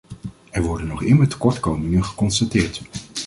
Er worden nog immer tekortkomingen geconstateerd.